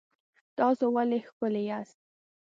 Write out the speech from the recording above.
تاسو ولې ښکلي یاست؟